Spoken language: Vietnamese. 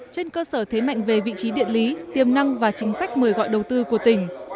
trên cơ sở thế mạnh về vị trí địa lý tiềm năng và chính sách mời gọi đầu tư của tỉnh